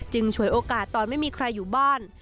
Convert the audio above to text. ฉวยโอกาสตอนไม่มีใครอยู่บ้าน